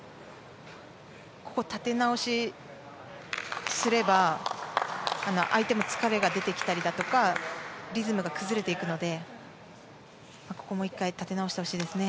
ここ、立て直しすれば相手も疲れが出てきたりだとかリズムが崩れていくのでここもう１回立て直してほしいですね。